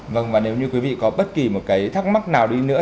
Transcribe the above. vâng và nếu như quý vị có bất kỳ một cái thắc mắc nào đi nữa